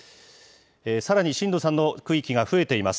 さらに震度３の区域が増えています。